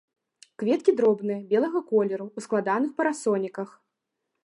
Кветкі дробныя, белага колеру, у складаных парасоніках.